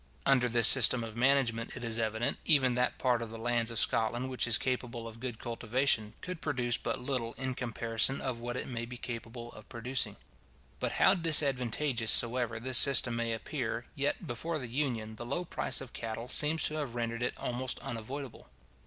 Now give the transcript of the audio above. Under this system of management, it is evident, even that part of the lands of Scotland which is capable of good cultivation, could produce but little in comparison of what it may be capable of producing. But how disadvantageous soever this system may appear, yet, before the Union, the low price of cattle seems to have rendered it almost unavoidable.